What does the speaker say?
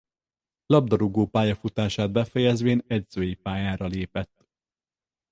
Labdarúgó pályafutását befejezvén edzői pályára lépett.